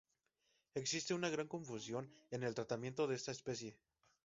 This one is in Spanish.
Existe una gran confusión en el tratamiento de esta especie.